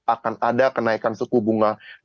akan ada kenaikan suku bunga